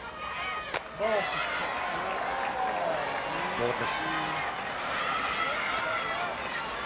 ボールです。